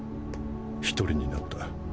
一人になった。